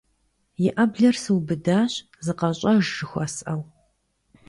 И Ӏэблэр сыубыдащ, зыкъэщӀэж жыхуэсӀэу.